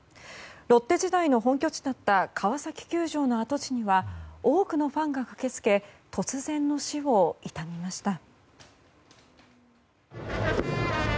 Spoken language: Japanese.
ロッテ時代の本拠地だった川崎球場の跡地には多くのファンが駆けつけ突然の死を悼みました。